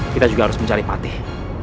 kita juga harus mencari patih